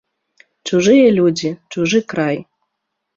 Чужыя людзі, чужы край.